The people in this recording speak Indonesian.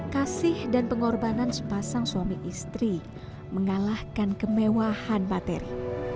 kasih dan pengorbanan sepasang suami istri mengalahkan kemewahan materi